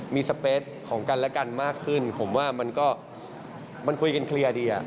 มีสเปสของกันและกันมากขึ้นผมว่ามันก็มันคุยกันเคลียร์ดี